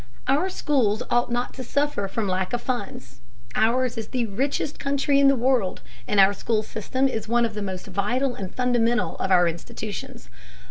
Our schools ought not to suffer from lack of funds. Ours is the richest country in the world, and our school system is one of the most vital and fundamental of our institutions.